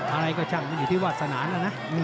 อะไรก็ช่างมันอยู่ที่วาสนาแล้วนะ